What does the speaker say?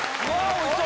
おいしそう！